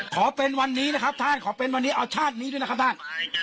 ขอเป็นวันนี้นะครับท่านขอเป็นวันนี้เอาชาตินี้ด้วยนะครับท่าน